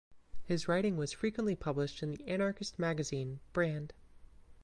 His writing was frequently published in the anarchist magazine "Brand".